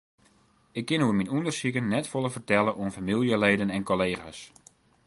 Ik kin oer myn ûndersiken net folle fertelle oan famyljeleden en kollega's.